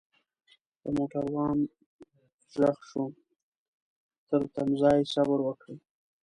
دموټروان ږغ شو ترتمځای صبروکړئ.